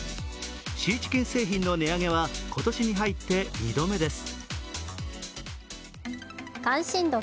シーチキン製品の値上げは今年に入って２度目です。